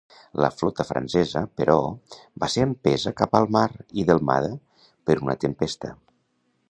La flota francesa però, va ser empesa cap al mar i delmada per una tempesta.